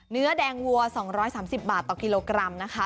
เนื้อแดงวัว๒๓๐บาทต่อกิโลกรัมนะคะ